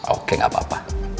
oke gak apa apa